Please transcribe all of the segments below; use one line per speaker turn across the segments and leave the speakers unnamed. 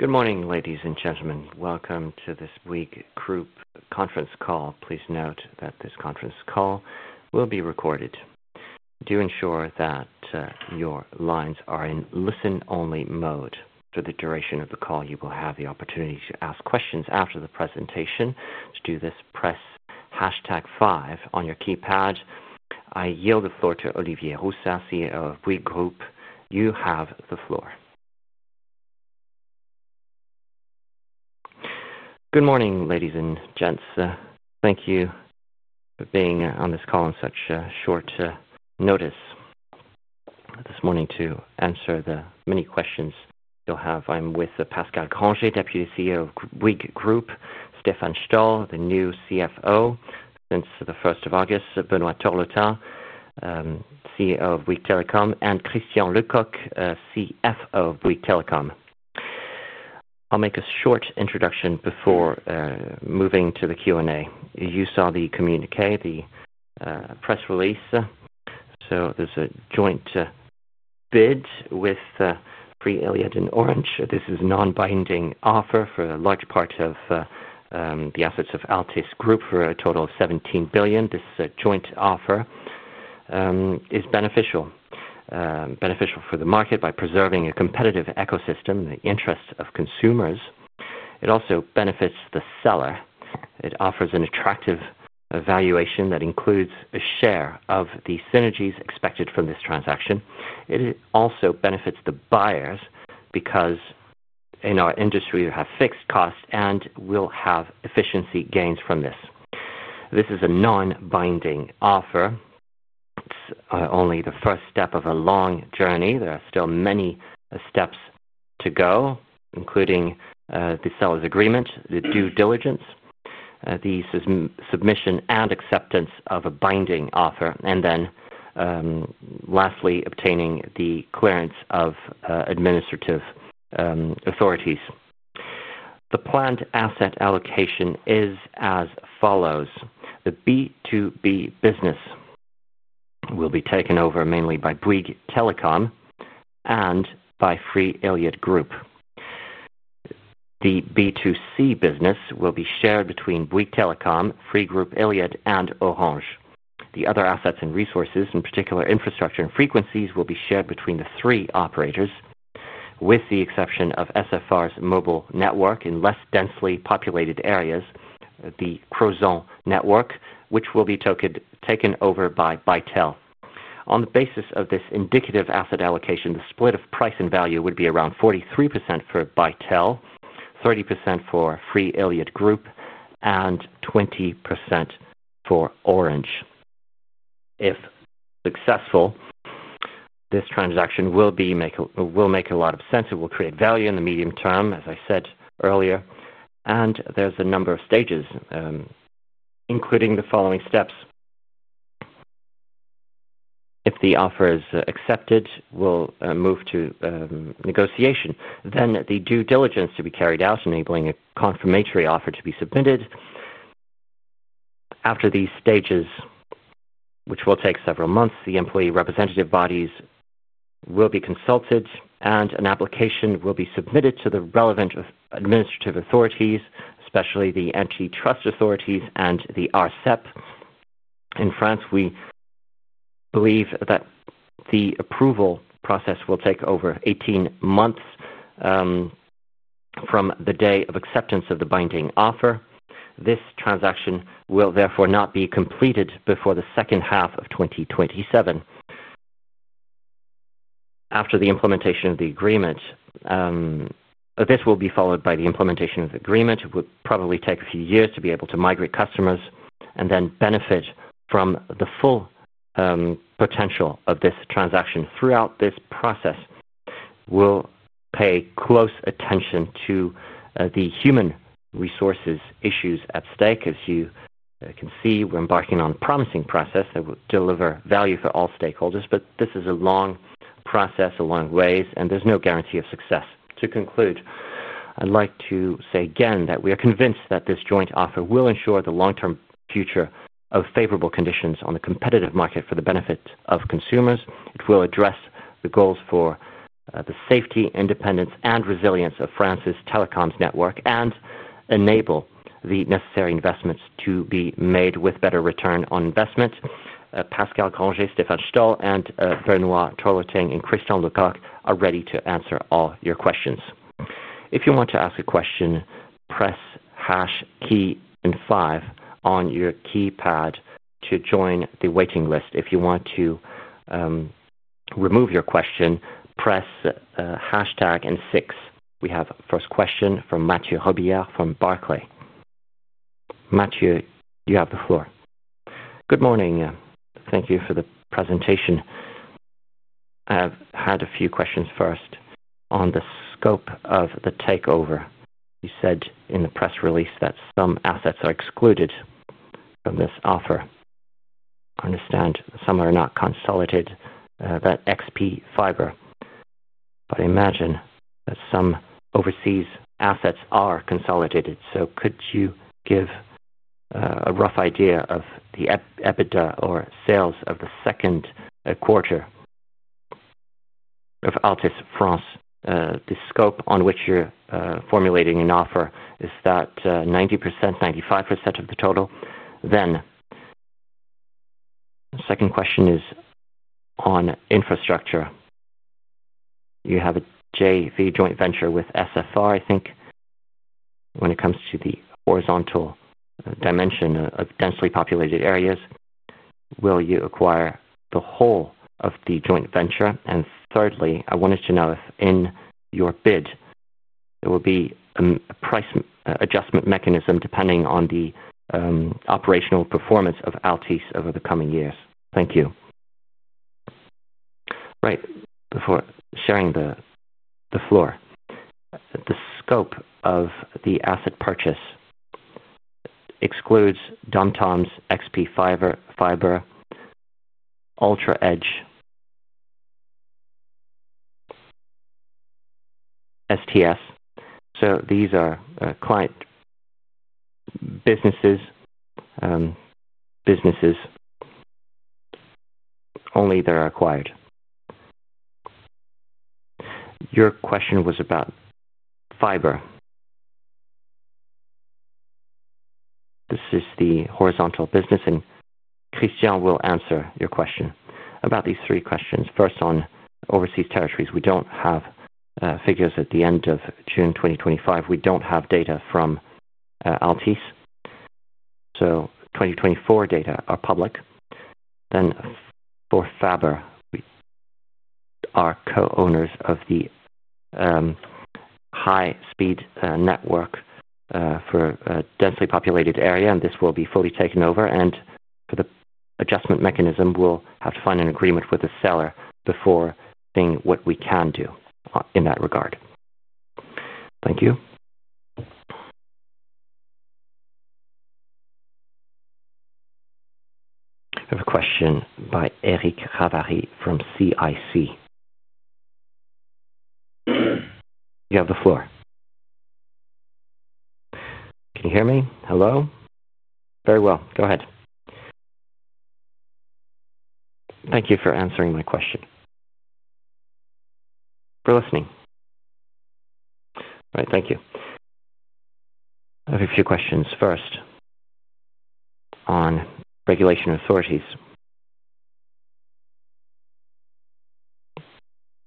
Good morning, ladies and gentlemen. Welcome to Bouygues Group conference call. Please note that this conference call will be recorded. Do ensure that your lines are in listen-only mode. For the duration of the call, you will have the opportunity to ask questions after the presentation. To do this, press hash tag five on your keypad. I yield the floor to Olivier Roussat, CEO of Bouygues Group. You have the floor. Good morning, ladies and gents. Thank you for being on this call on such short notice. This morning, to answer the many questions you'll have, I'm with Pascal Grangé, Deputy CEO of Bouygues Group, Stéphane Stahl, the new CFO since the 1st of August, Benoît Torloting, CEO of Bouygues Telecom, and Christian Lecoq, CFO of Bouygues Telecom. I'll make a short introduction before moving to the Q&A. You saw the communiqué, the press release. There's a joint bid with Free-Iliad Group and Orange. This is a non-binding offer for a large part of the assets of Altice France for a total of 17 billion. This joint offer is beneficial for the market by preserving a competitive ecosystem in the interests of consumers. It also benefits the seller. It offers an attractive valuation that includes a share of the synergies expected from this transaction. It also benefits the buyers because, in our industry, you have fixed costs and will have efficiency gains from this. This is a non-binding offer. It's only the first step of a long journey. There are still many steps to go, including the seller's agreement, the due diligence, the submission and acceptance of a binding offer, and then, lastly, obtaining the clearance of administrative authorities. The planned asset allocation is as follows: the B2B business will be taken over mainly by Bouygues Telecom and by Free-Iliad Group. The B2C business will be shared between Bouygues Telecom, Free-Iliad Group, and Orange. The other assets and resources, in particular, infrastructure and frequencies, will be shared between the three operators, with the exception of SFR's mobile network in less densely populated areas, the Croissant network, which will be taken over by Bouygues Telecom. On the basis of this indicative asset allocation, the split of price and value would be around 43% for Bouygues Telecom, 30% for Free-Iliad Group, and 20% for Orange. If successful, this transaction will make a lot of sense. It will create value in the medium term, as I said earlier. There's a number of stages, including the following steps. If the offer is accepted, we'll move to negotiation. Then the due diligence to be carried out, enabling a confirmatory offer to be submitted. After these stages, which will take several months, the employee representative bodies will be consulted, and an application will be submitted to the relevant administrative authorities, especially the antitrust authorities and the ARCEP. In France, we believe that the approval process will take over 18 months from the day of acceptance of the binding offer. This transaction will therefore not be completed before the second half of 2027. After the implementation of the agreement, this will be followed by the implementation of the agreement. It would probably take a few years to be able to migrate customers and then benefit from the full potential of this transaction. Throughout this process, we'll pay close attention to the human resources issues at stake. As you can see, we're embarking on a promising process that will deliver value for all stakeholders. This is a long process, a long way, and there's no guarantee of success. To conclude, I'd like to say again that we are convinced that this joint offer will ensure the long-term future of favorable conditions on the competitive market for the benefit of consumers. It will address the goals for the safety, independence, and resilience of France's telecoms network and enable the necessary investments to be made with better return on investment. Pascal Grangé, Stéphane Stahl, Benoît Torloting, and Christian Lecoq are ready to answer all your questions. If you want to ask a question, press hash key and five on your keypad to join the waiting list. If you want to remove your question, press hashtag and six. We have a first question from Mathieu Robillard from Barclay. Mathieu, you have the floor. Good morning. Thank you for the presentation. I have had a few questions. First, on the scope of the takeover, you said in the press release that some assets are excluded from this offer. I understand that some are not consolidated, that is XP Fiber. I imagine that some overseas assets are consolidated. Could you give a rough idea of the EBITDA or sales of the second quarter of Altice France? The scope on which you're formulating an offer, is that 90%, 95% of the total? The second question is on infrastructure. You have a JV joint venture with SFR. I think when it comes to the horizontal dimension of densely populated areas, will you acquire the whole of the joint venture? Thirdly, I wanted to know if in your bid there will be a price adjustment mechanism depending on the operational performance of Altice over the coming years. Thank you. Right. Before sharing the floor, the scope of the asset purchase excludes DOM-TOM XP Fiber, Ultra Edge, STS. These are client businesses only that are acquired. Your question was about fiber. This is the horizontal business, and Christian will answer your question about these three questions. First, on overseas territories, we don't have figures at the end of June 2025. We don't have data from Altice. 2024 data are public. For fiber, we are co-owners of the high-speed network for a densely populated area, and this will be fully taken over. For the adjustment mechanism, we'll have to find an agreement with the seller before saying what we can do in that regard. Thank you. I have a question by Eric Ravary from CIC. You have the floor. Can you hear me? Hello? Very well. Go ahead. Thank you for answering my question. For listening. All right. Thank you. I have a few questions. First, on regulation authorities.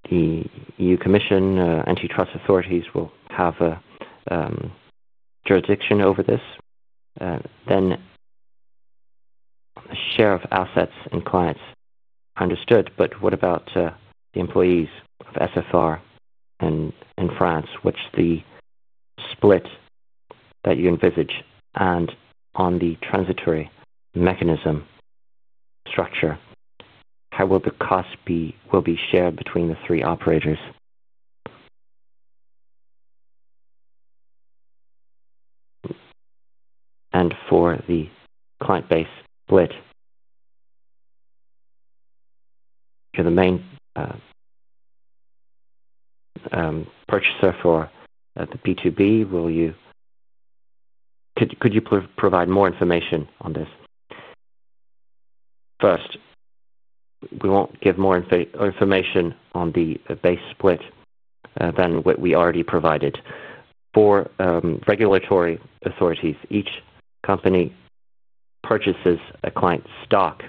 The EU Commission, antitrust authorities will have a jurisdiction over this. The share of assets and clients, understood. What about the employees of SFR and in France, which the split that you envisage? On the transitory mechanism structure, how will the cost be shared between the three operators? For the client base split, you're the main purchaser for the B2B. Could you provide more information on this? First, we won't give more information on the base split than what we already provided. For regulatory authorities, each company purchases a client stock.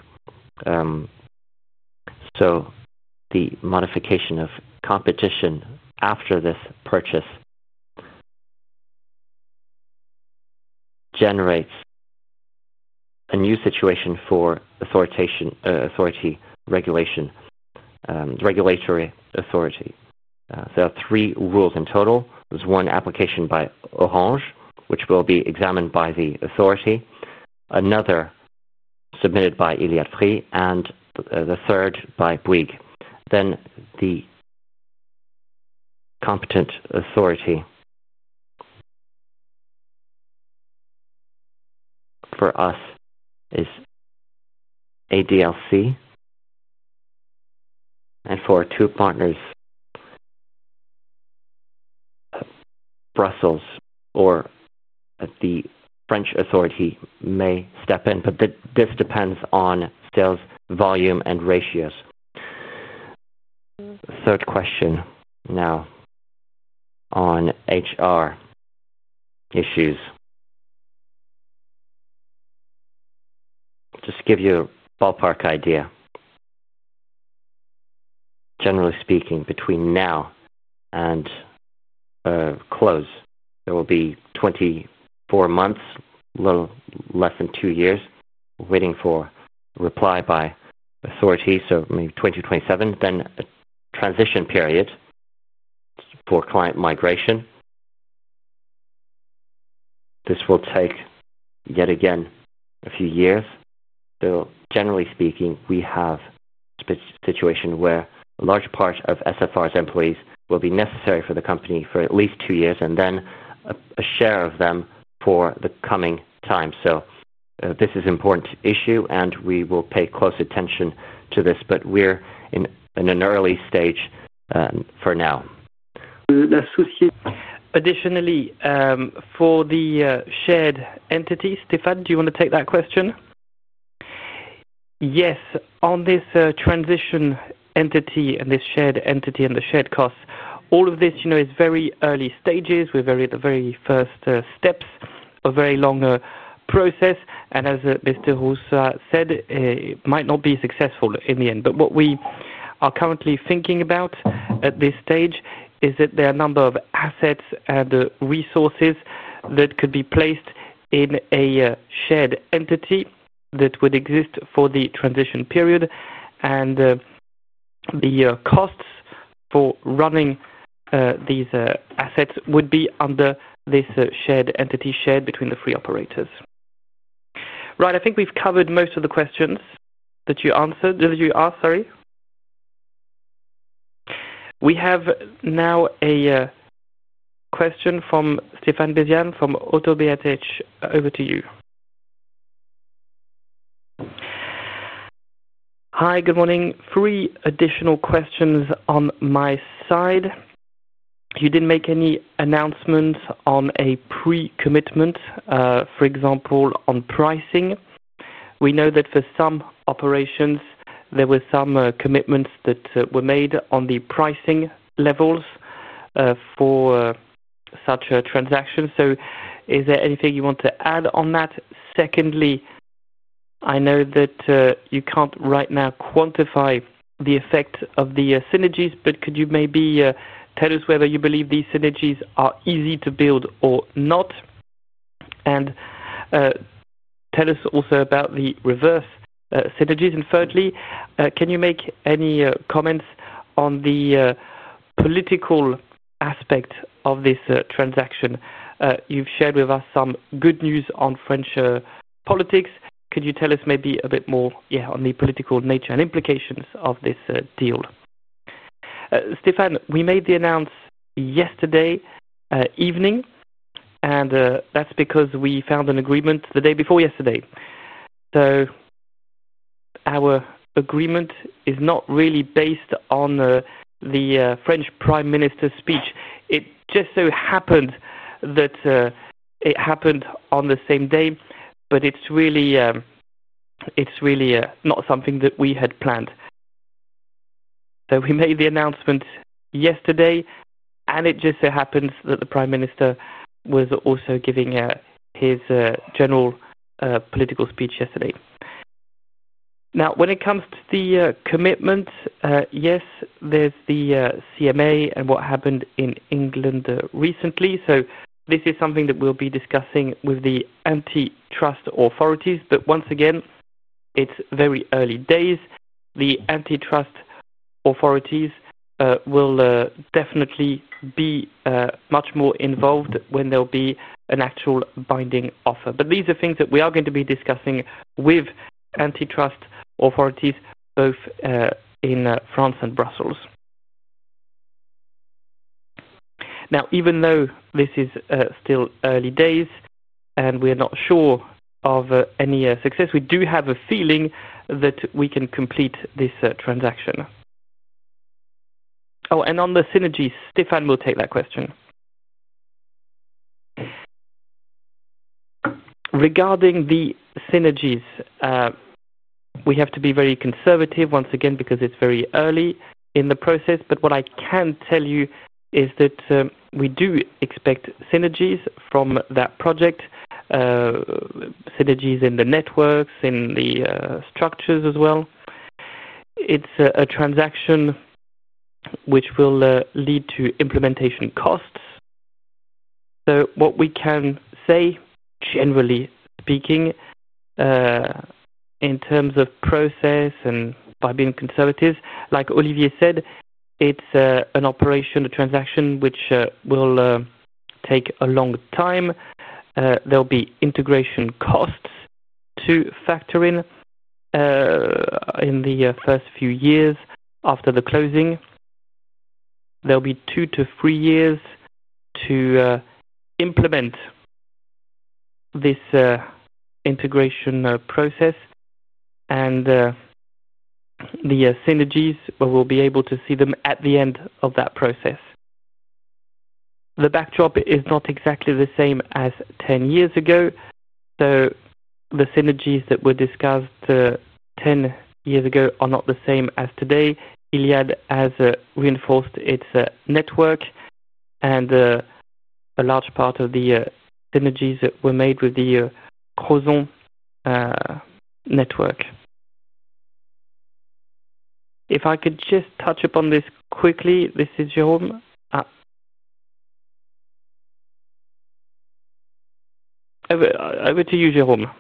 The modification of competition after this purchase generates a new situation for regulatory authority. There are three rules in total. There's one application by Orange, which will be examined by the authority, another submitted by Iliad Free, and the third by Bouygues. The competent authority for us is ADLC. For two partners, Brussels or the French authority may step in. This depends on sales volume and ratios. Third question now on HR issues. Just to give you a ballpark idea, generally speaking, between now and close, there will be 24 months, a little less than two years, waiting for a reply by authority, so maybe 2027. A transition period for client migration will take, yet again, a few years. Generally speaking, we have a situation where a large part of SFR's employees will be necessary for the company for at least two years, and then a share of them for the coming time. This is an important issue, and we will pay close attention to this. We're in an early stage for now. Additionally, for the shared entities, Stéphane, do you want to take that question? Yes. On this transition entity and this shared entity and the shared costs, all of this is very early stages. We're at the very first steps of a very long process. As Mr. Roussat said, it might not be successful in the end. What we are currently thinking about at this stage is that there are a number of assets and resources that could be placed in a shared entity that would exist for the transition period. The costs for running these assets would be under this shared entity, shared between the three operators. I think we've covered most of the questions that you asked. Sorry. We have now a question from Stéphane Bizian from Auto BHH. Over to you. Hi. Good morning. Three additional questions on my side. You didn't make any announcements on a pre-commitment, for example, on pricing. We know that for some operations, there were some commitments that were made on the pricing levels for such a transaction. Is there anything you want to add on that? Secondly, I know that you can't right now quantify the effect of the synergies, but could you maybe tell us whether you believe these synergies are easy to build or not? Tell us also about the reverse synergies. Thirdly, can you make any comments on the political aspect of this transaction? You've shared with us some good news on French politics. Could you tell us maybe a bit more, yeah, on the political nature and implications of this deal? Stéphane, we made the announce yesterday evening, and that's because we found an agreement the day before yesterday. Our agreement is not really based on the French Prime Minister's speech. It just so happened that it happened on the same day. It's really not something that we had planned. We made the announcement yesterday, and it just so happens that the Prime Minister was also giving his general political speech yesterday. Now, when it comes to the commitment, yes, there's the CMA and what happened in England recently. This is something that we'll be discussing with the antitrust authorities. Once again, it's very early days. The antitrust authorities will definitely be much more involved when there'll be an actual binding offer. These are things that we are going to be discussing with antitrust authorities both in France and Brussels. Now, even though this is still early days and we are not sure of any success, we do have a feeling that we can complete this transaction. Oh, and on the synergies, Stéphane will take that question. Regarding the synergies, we have to be very conservative, once again, because it's very early in the process. What I can tell you is that we do expect synergies from that project, synergies in the networks, in the structures as well. It's a transaction which will lead to implementation costs. What we can say, generally speaking, in terms of process and by being conservative, like Olivier said, it's an operation, a transaction which will take a long time. There will be integration costs to factor in in the first few years after the closing. There will be two to three years to implement this integration process. The synergies, we will be able to see them at the end of that process. The backdrop is not exactly the same as 10 years ago. The synergies that were discussed 10 years ago are not the same as today. Iliad has reinforced its network, and a large part of the synergies were made with the Croissant network. If I could just touch upon this quickly, this is Jérôme. Over to you, Jérôme.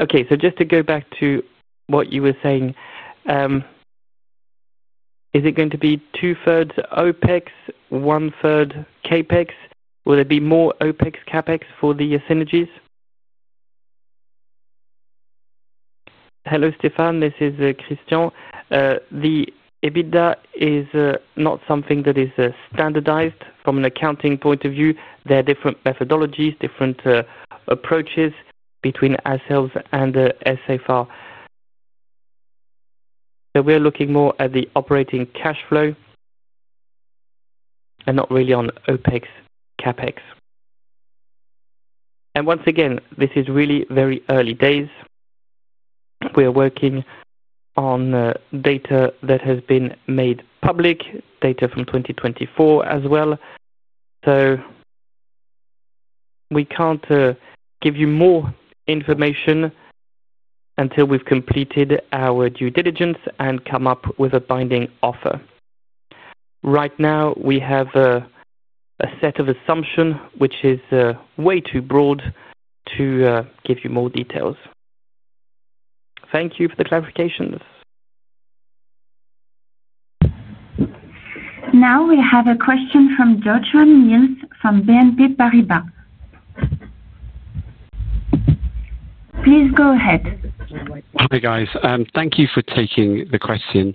Okay. Just to go back to what you were saying, is it going to be two-thirds OpEx, one-third CapEx? Will there be more OpEx/CapEx for the synergies? Hello, Stéphane. This is Christian. The EBITDA is not something that is standardized from an accounting point of view. There are different methodologies, different approaches between ourselves and SFR. We are looking more at the operating cash flow and not really on OpEx, CapEx. Once again, this is really very early days. We are working on data that has been made public, data from 2024 as well. We can't give you more information until we've completed our due diligence and come up with a binding offer. Right now, we have a set of assumptions, which is way too broad to give you more details. Thank you for the clarifications.
Now we have a question from Joshua Mills from BNP Paribas. Please go ahead.
Hi, guys. Thank you for taking the question.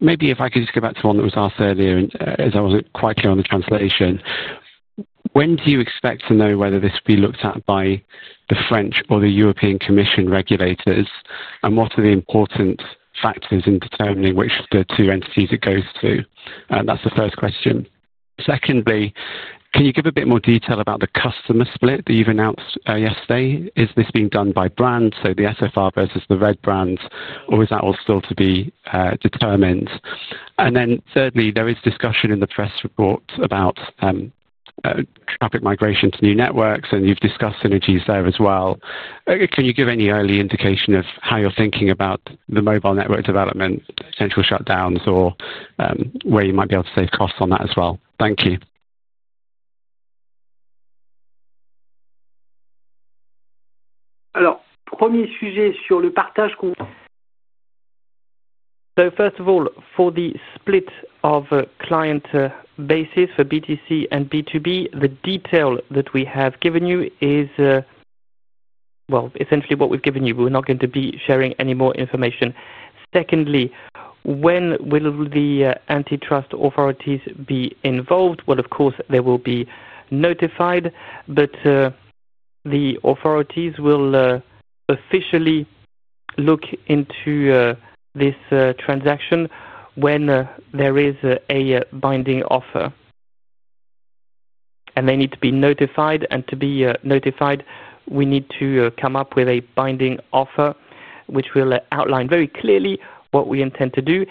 Maybe if I could just go back to the one that was asked earlier, as I wasn't quite clear on the translation. When do you expect to know whether this will be looked at by the French or the European Commission regulators? What are the important factors in determining which of the two entities it goes to? That's the first question. Secondly, can you give a bit more detail about the customer split that you've announced yesterday? Is this being done by brands, so the SFR versus the RED brands, or is that all still to be determined? Thirdly, there is discussion in the press report about traffic migration to new networks, and you've discussed synergies there as well. Can you give any early indication of how you're thinking about the mobile network development, potential shutdowns, or where you might be able to save costs on that as well? Thank you. First of all, for the split of client bases for B2C and B2B, the detail that we have given you is, essentially what we've given you. We're not going to be sharing any more information. Secondly, when will the antitrust authorities be involved? Of course, they will be notified. The authorities will officially look into this transaction when there is a binding offer. They need to be notified, and to be notified, we need to come up with a binding offer which will outline very clearly what we intend to do.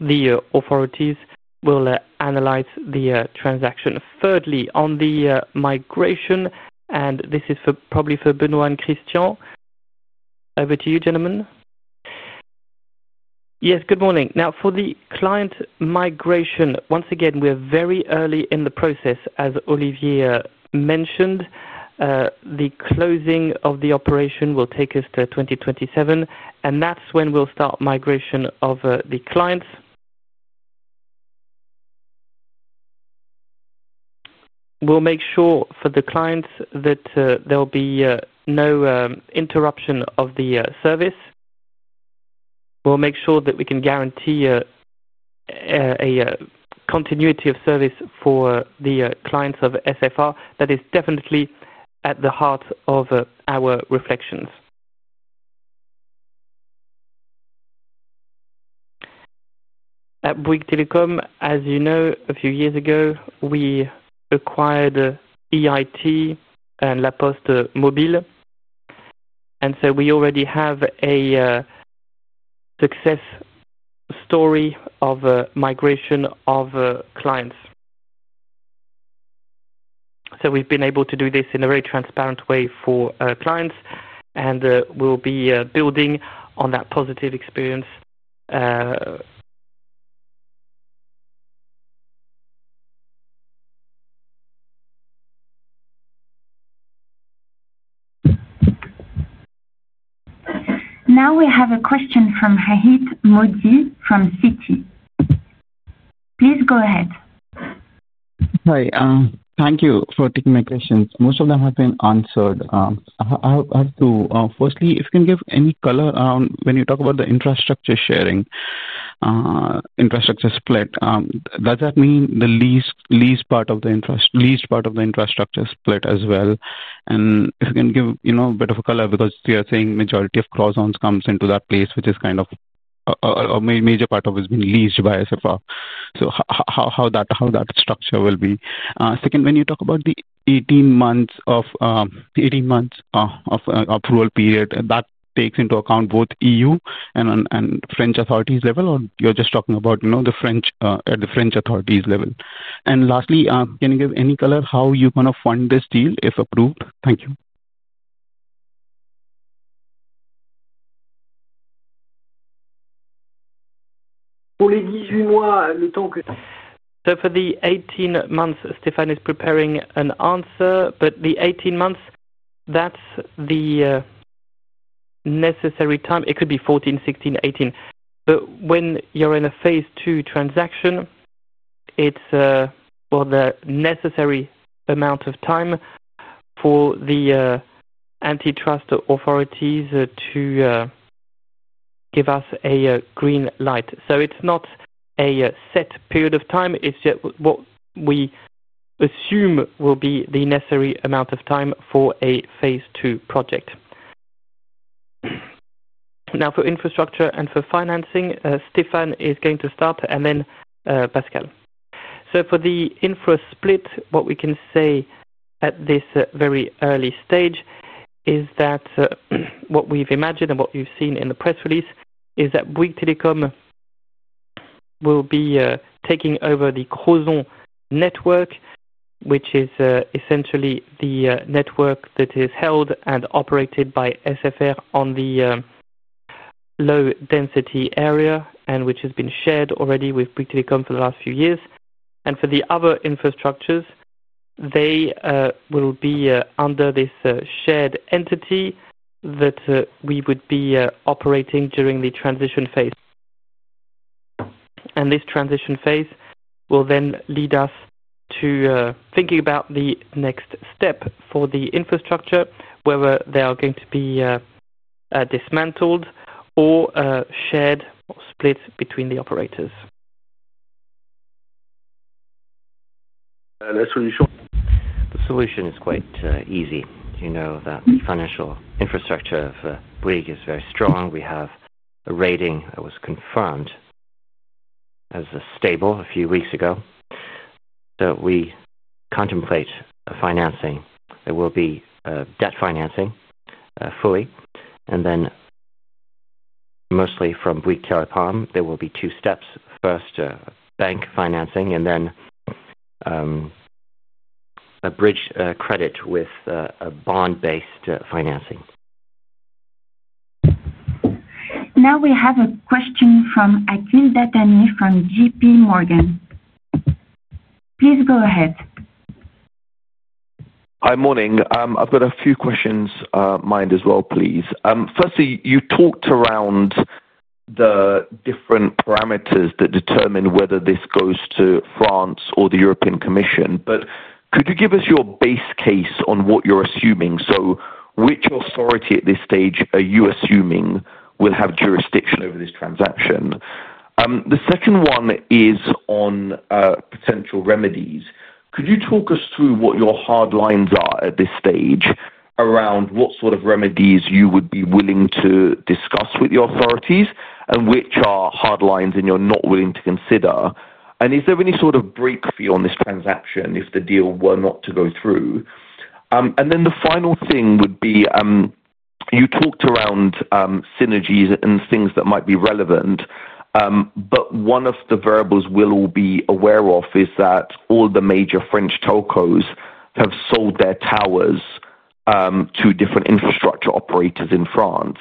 The authorities will analyze the transaction. Thirdly, on the migration, and this is probably for Benoît and Christian. Over to you, gentlemen. Yes, good morning. For the client migration, once again, we're very early in the process. As Olivier mentioned, the closing of the operation will take us to 2027, and that's when we'll start migration of the clients. We'll make sure for the clients that there'll be no interruption of the service. We'll make sure that we can guarantee a continuity of service for the clients of SFR. That is definitely at the heart of our reflections. At Bouygues Telecom, as you know, a few years ago, we acquired EIT and La Poste Mobile. We already have a success story of migration of clients. We've been able to do this in a very transparent way for clients, and we'll be building on that positive experience.
Now we have a question from Hahit Modi from Citi. Please go ahead.
Hi. Thank you for taking my questions. Most of them have been answered. I have two. Firstly, if you can give any color around when you talk about the infrastructure sharing, infrastructure split, does that mean the leased part of the infrastructure split as well? If you can give a bit of a color because you're saying the majority of Croissant comes into that place, which is kind of a major part of it has been leased by SFR. How will that structure be? Second, when you talk about the 18 months of approval period, does that take into account both EU and French authorities' level, or are you just talking about the French authorities' level? Lastly, can you give any color how you're going to fund this deal if approved? Thank you. For the 18 months, Stéphane is preparing an answer. The 18 months, that's the necessary time. It could be 14, 16, 18. When you're in a phase II transaction, it's for the necessary amount of time for the antitrust authorities to give us a green light. It's not a set period of time. It's just what we assume will be the necessary amount of time for a phase II project. For infrastructure and for financing, Stéphane is going to start, and then Pascal. For the infra split, what we can say at this very early stage is that what we've imagined and what you've seen in the press release is that Bouygues Telecom will be taking over the Croissant network, which is essentially the network that is held and operated by SFR in the low-density area, and which has been shared already with Bouygues Telecom for the last few years. For the other infrastructures, they will be under this shared entity that we would be operating during the transition phase. This transition phase will then lead us to thinking about the next step for the infrastructure, whether they are going to be dismantled or shared or split between the operators. The solution is quite easy. You know that the financial infrastructure of Bouygues is very strong. We have a rating that was confirmed as stable a few weeks ago. We contemplate financing. It will be debt financing fully, mostly from Bouygues Telecom. There will be two steps: first, bank financing, and then a bridge credit with a bond-based financing.
Now we have a question from Akhil Dattani from JPMorgan. Please go ahead.
Hi. Morning. I've got a few questions of mine as well, please. Firstly, you talked around the different parameters that determine whether this goes to France or the European Commission. Could you give us your base case on what you're assuming? Which authority at this stage are you assuming will have jurisdiction over this transaction? The second one is on potential remedies. Could you talk us through what your hard lines are at this stage around what sort of remedies you would be willing to discuss with the authorities and which are hard lines you're not willing to consider? Is there any sort of breakthrough on this transaction if the deal were not to go through? The final thing would be you talked around synergies and things that might be relevant. One of the variables we'll all be aware of is that all the major French telcos have sold their towers to different infrastructure operators in France.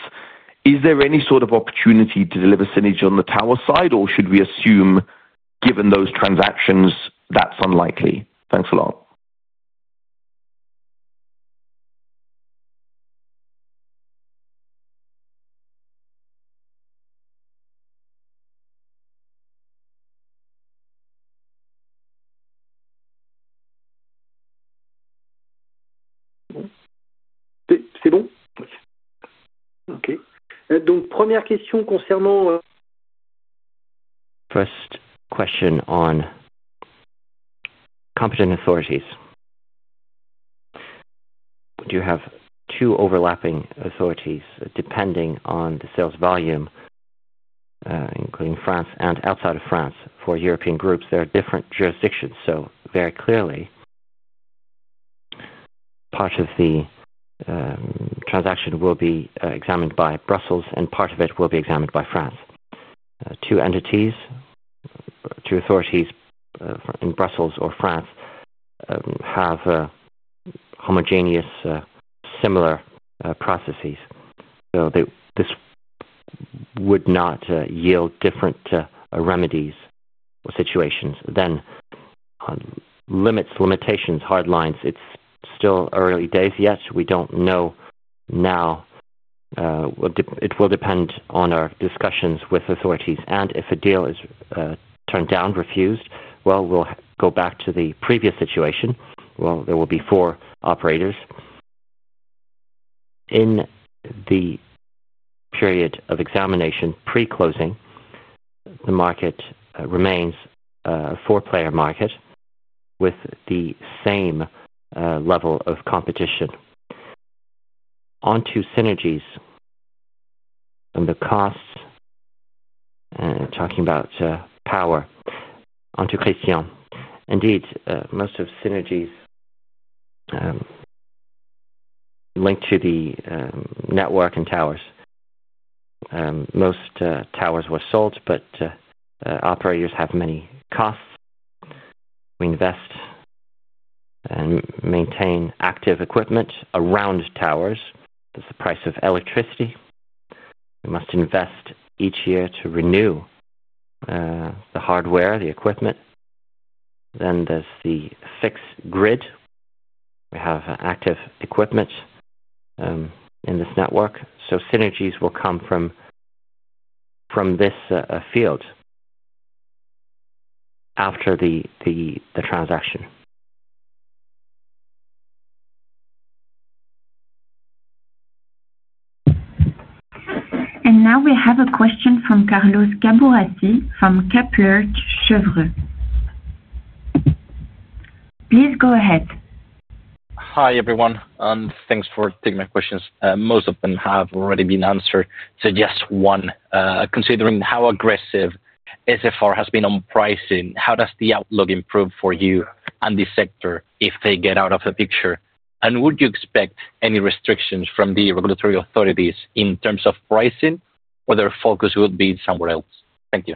Is there any sort of opportunity to deliver synergy on the tower side, or should we assume, given those transactions, that's unlikely? Thanks a lot. First question on competent authorities. You have two overlapping authorities depending on the sales volume, including France and outside of France. For European groups, there are different jurisdictions. Very clearly, part of the transaction will be examined by Brussels, and part of it will be examined by France. Two entities, two authorities in Brussels or France have homogeneous, similar processes. This would not yield different remedies or situations. Limits, limitations, hard lines. It's still early days yet. We don't know now. It will depend on our discussions with authorities. If a deal is turned down, refused, we will go back to the previous situation. There will be four operators. In the period of examination, pre-closing, the market remains a four-player market with the same level of competition. Onto synergies and the costs, talking about power, onto Christian. Indeed, most of synergies link to the network and towers. Most towers were sold, but operators have many costs. We invest and maintain active equipment around towers. That's the price of electricity. We must invest each year to renew the hardware, the equipment. There's the fixed grid. We have active equipment in this network. Synergies will come from this field after the transaction.
We have a question from Carlos Caburrasi from Kepler Cheuvreux. Please go ahead.
Hi, everyone. Thanks for taking my questions. Most of them have already been answered. Just one. Considering how aggressive SFR has been on pricing, how does the outlook improve for you and the sector if they get out of the picture? Would you expect any restrictions from the regulatory authorities in terms of pricing, or their focus will be somewhere else? Thank you.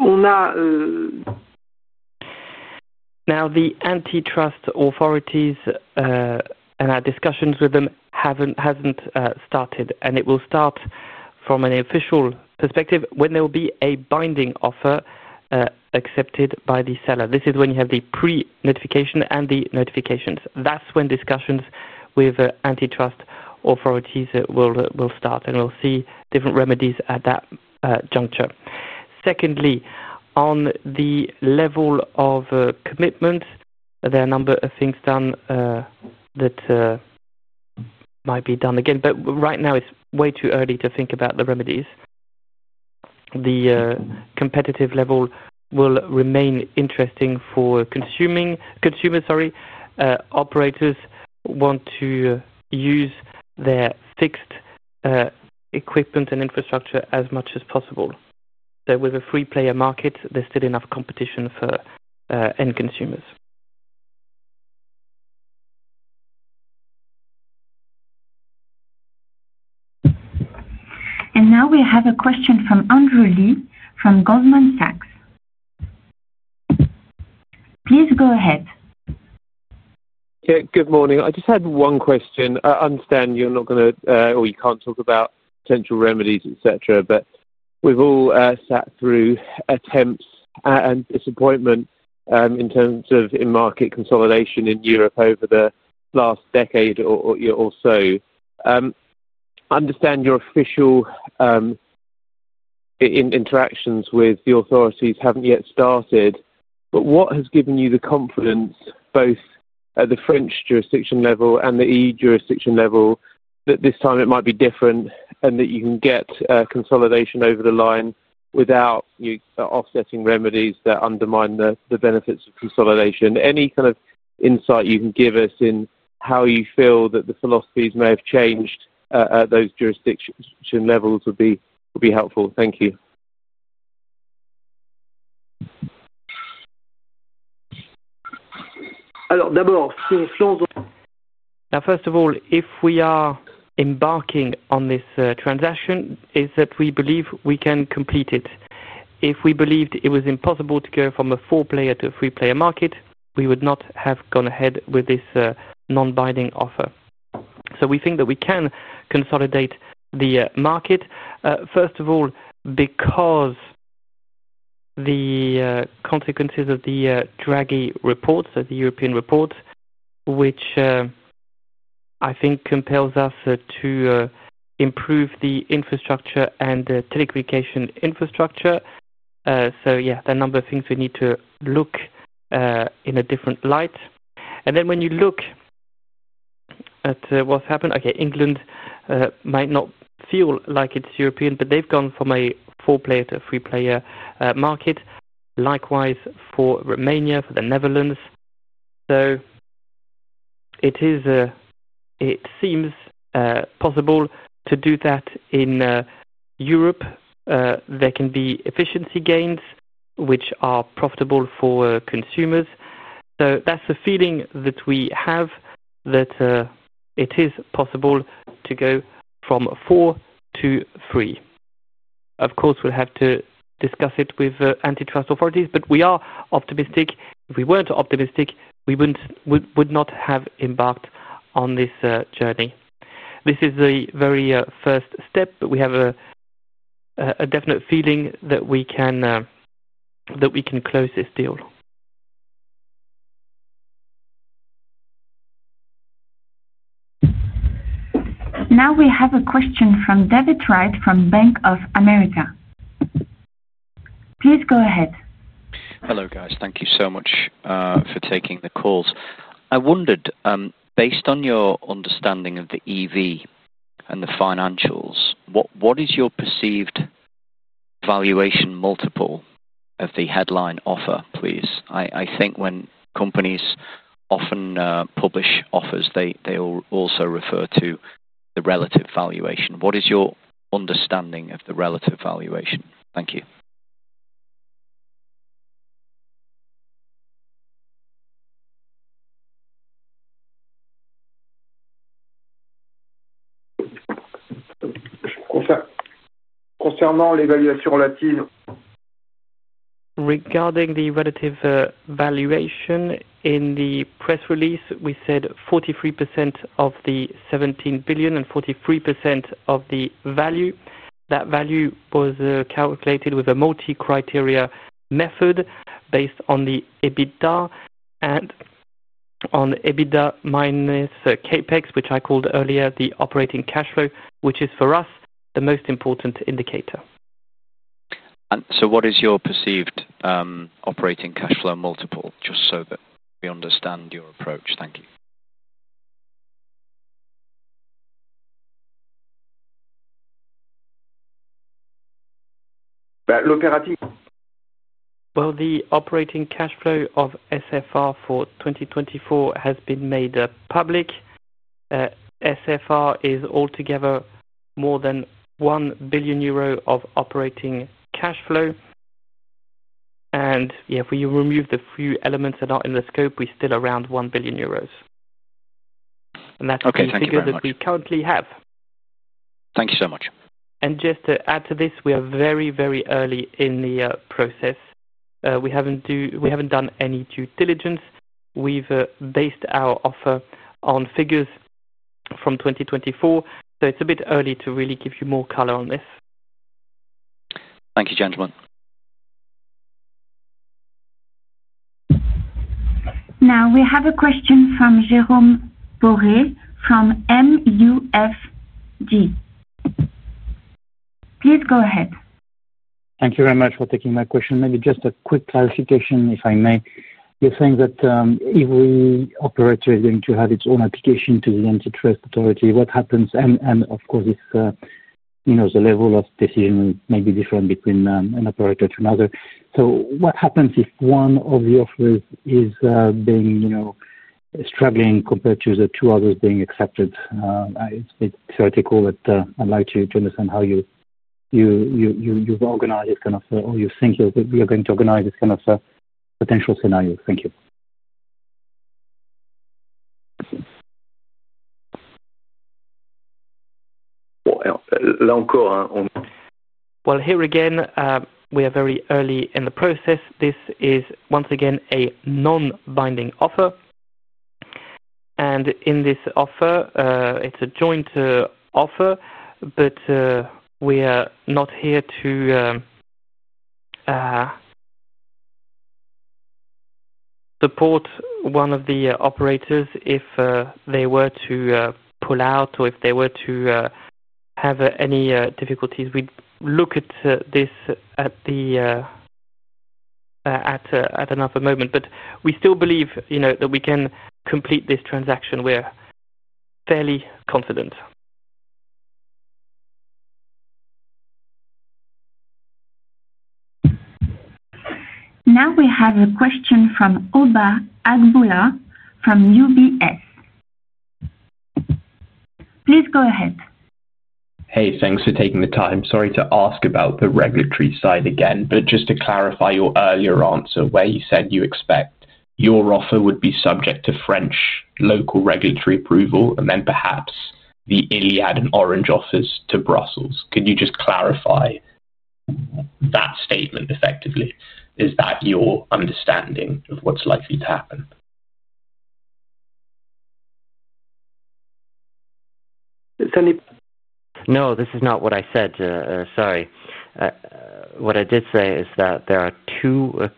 Now, the antitrust authorities and our discussions with them haven't started. It will start from an official perspective when there will be a binding offer accepted by the seller. This is when you have the pre-notification and the notifications. That's when discussions with antitrust authorities will start. We'll see different remedies at that juncture. On the level of commitment, there are a number of things done that might be done again. Right now, it's way too early to think about the remedies. The competitive level will remain interesting for consumers. Operators want to use their fixed equipment and infrastructure as much as possible. With a free-player market, there's still enough competition for end consumers.
We have a question from Andrew Lee from Goldman Sachs. Please go ahead.
Good morning. I just had one question. I understand you're not going to, or you can't talk about potential remedies, etc. We've all sat through attempts and disappointment in terms of in-market consolidation in Europe over the last decade or so. I understand your official interactions with the authorities haven't yet started. What has given you the confidence, both at the French jurisdiction level and the EU jurisdiction level, that this time it might be different and that you can get consolidation over the line without offsetting remedies that undermine the benefits of consolidation? Any kind of insight you can give us in how you feel that the philosophies may have changed at those jurisdiction levels would be helpful. Thank you. Now, first of all, if we are embarking on this transaction, it's that we believe we can complete it. If we believed it was impossible to go from a four-player to a three-player market, we would not have gone ahead with this non-binding offer. We think that we can consolidate the market, first of all, because of the consequences of the Draghi report, the European report, which I think compels us to improve the infrastructure and telecommunication infrastructure. There are a number of things we need to look in a different light. When you look at what's happened, England might not feel like it's European, but they've gone from a four-player to a three-player market. Likewise for Romania, for the Netherlands. It seems possible to do that in Europe. There can be efficiency gains which are profitable for consumers. That's the feeling that we have, that it is possible to go from four to three. Of course, we'll have to discuss it with antitrust authorities. We are optimistic. If we weren't optimistic, we would not have embarked on this journey. This is the very first step, but we have a definite feeling that we can close this deal.
Now we have a question from David Wright from Bank of America. Please go ahead.
Hello, guys. Thank you so much for taking the calls. I wondered, based on your understanding of the EV and the financials, what is your perceived valuation multiple of the headline offer, please? I think when companies often publish offers, they will also refer to the relative valuation. What is your understanding of the relative valuation? Thank you. Regarding the relative valuation, in the press release, we said 43% of the 17 billion and 43% of the value. That value was calculated with a multi-criteria method based on the EBITDA and on EBITDA -CapEx, which I called earlier the operating cash flow, which is for us the most important indicator. What is your perceived operating cash flow multiple? Just so that we understand your approach. Thank you. The operating cash flow of SFR for 2024 has been made public. SFR is altogether more than 1 billion euro of operating cash flow. If we remove the few elements that are in the scope, we're still around 1 billion euros. That's the figure that we currently have. Okay, thank you. Thank you so much. To add to this, we are very, very early in the process. We haven't done any due diligence. We've based our offer on figures from 2024. It's a bit early to really give you more color on this. Thank you, gentlemen.
Now we have a question from Jérôme Boré from MUFG. Please go ahead.
Thank you very much for taking my question. Maybe just a quick clarification, if I may. You're saying that every operator is going to have its own application to the antitrust authority. What happens? Of course, the level of decision may be different between an operator to another. What happens if one of the offers is struggling compared to the two others being accepted? It's a bit theoretical, but I'd like to understand how you've organized this kind of or you think you're going to organize this kind of potential scenario. Thank you. Here again, we are very early in the process. This is, once again, a non-binding offer. In this offer, it's a joint offer, but we are not here to support one of the operators if they were to pull out or if they were to have any difficulties. We look at this at another moment. We still believe that we can complete this transaction. We are fairly confident.
Now we have a question from Oba Agboola from UBS. Please go ahead.
Hey, thanks for taking the time. Sorry to ask about the regulatory side again. Just to clarify your earlier answer where you said you expect your offer would be subject to French local regulatory approval and then perhaps the Iliad and Orange offers to Brussels, could you just clarify that statement effectively? Is that your understanding of what's likely to happen? No, this is not what I said. Sorry. What I did say is that there are two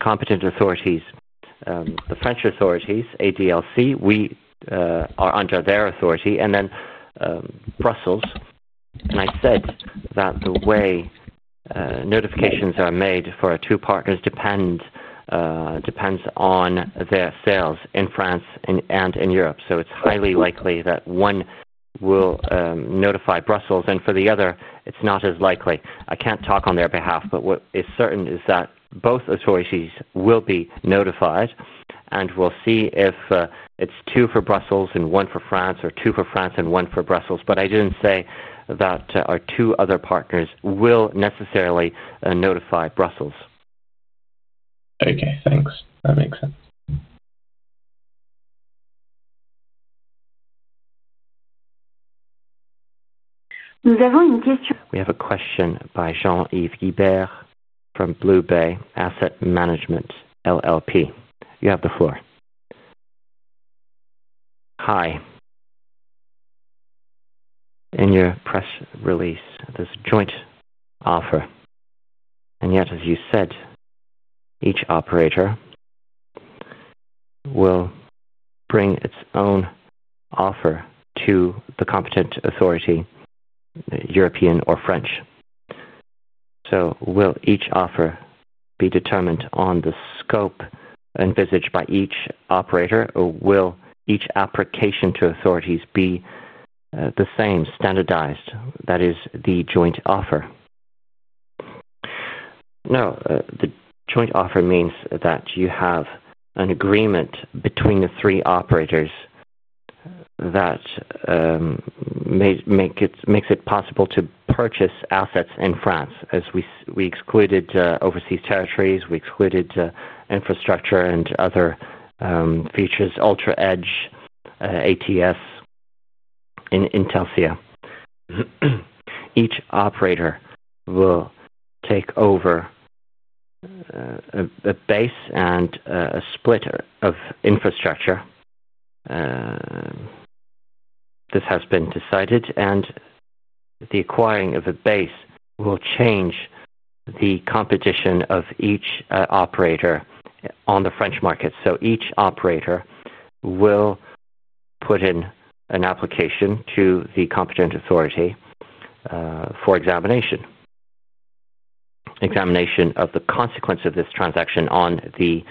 competent authorities: the French authorities, ADLC, we are under their authority, and then Brussels. I said that the way notifications are made for our two partners depends on their sales in France and in Europe. It's highly likely that one will notify Brussels, and for the other, it's not as likely. I can't talk on their behalf, but what is certain is that both authorities will be notified. We'll see if it's two for Brussels and one for France, or two for France and one for Brussels. I didn't say that our two other partners will necessarily notify Brussels. Okay, thanks. That makes sense.
We have a question. We have a question by Jean-Yves Guibert from Blue Bay Asset Management LLP. You have the floor. Hi. In your press release, there's a joint offer. As you said, each operator will bring its own offer to the competent authority, European or French. Will each offer be determined on the scope envisaged by each operator, or will each application to authorities be the same, standardized? That is the joint offer. No, the joint offer means that you have an agreement between the three operators that makes it possible to purchase assets in France. As we excluded overseas territories, we excluded infrastructure and other features, Ultra Edge, STS, Intelsia. Each operator will take over a base and a split of infrastructure. This has been decided. The acquiring of a base will change the competition of each operator on the French market. Each operator will put in an application to the competent authority for examination, examination of the consequence of this transaction on the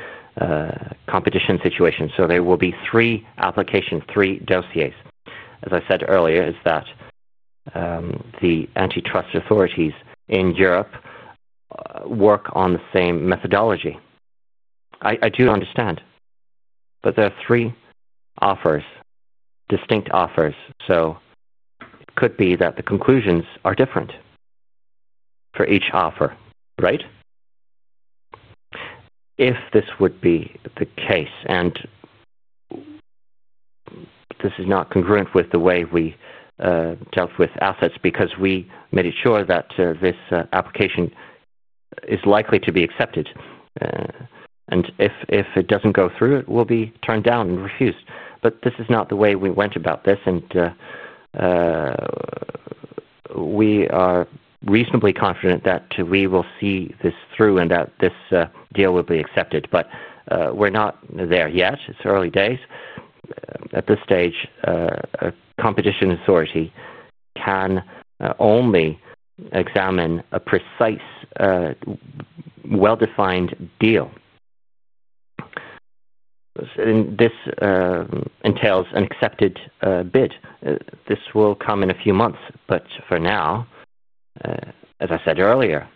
competition situation. There will be three applications, three dossiers. As I said earlier, the antitrust authorities in Europe work on the same methodology. I do understand. There are three offers, distinct offers. It could be that the conclusions are different for each offer, right? If this would be the case, this is not congruent with the way we dealt with assets because we made sure that this application is likely to be accepted. If it doesn't go through, it will be turned down and refused. This is not the way we went about this. We are reasonably confident that we will see this through and that this deal will be accepted. We're not there yet. It's early days. At this stage, a competition authority can only examine a precise, well-defined deal. This entails an accepted bid. This will come in a few months. For now, as I said earlier,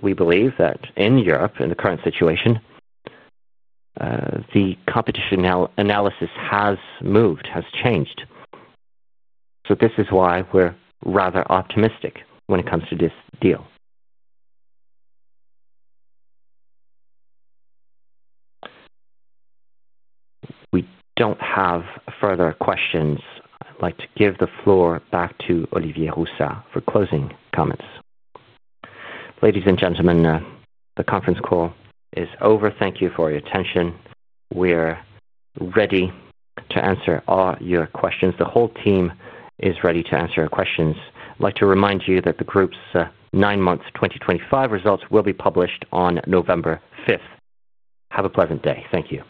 we believe that in Europe, in the current situation, the competition analysis has moved, has changed. This is why we're rather optimistic when it comes to this deal. We don't have further questions. I'd like to give the floor back to Olivier Roussat for closing comments. Ladies and gentlemen, the conference call is over. Thank you for your attention. We're ready to answer all your questions. The whole team is ready to answer your questions. I'd like to remind you that the group's nine-month 2025 results will be published on November 5th. Have a pleasant day. Thank you.